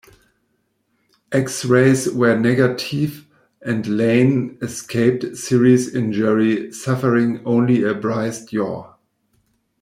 X-rays were negative and Layne escaped serious injury, suffering only a bruised jaw.